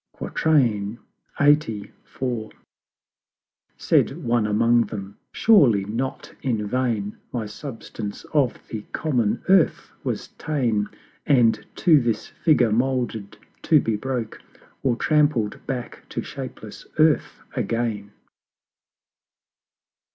LXXXIV. Said one among them "Surely not in vain My substance of the common Earth was ta'en And to this Figure molded, to be broke, Or trampled back to shapeless Earth again."